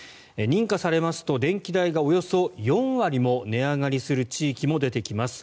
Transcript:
認可されますと電気代がおよそ４割も値上がりする地域も出てきます。